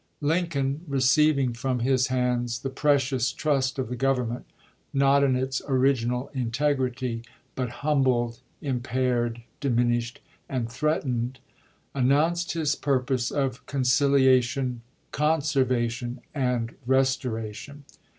Lincoln, receiving from his hands the precious trust of the Government, — not in its original in tegrity, but humbled, impaired, diminished, and threatened, — announced his purpose of concilia tion, conservation, and restoration.